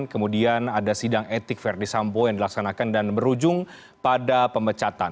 kemudian ada sidang etik verdi sambo yang dilaksanakan dan berujung pada pemecatan